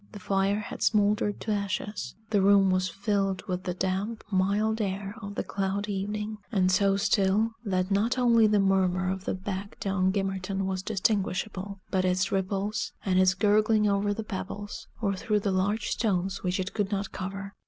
The fire had smoldered to ashes; the room was filled with the damp, mild air of the cloudy evening; and so still, that not only the murmur of the beck down Gimmerton was distinguishable, but its ripples, and its gurgling over the pebbles, or through the large stones which it could not cover.